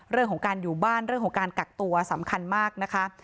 เรื่องของการอยู่บ้านเรื่องของการกักตัวสำคัญมากนะคะ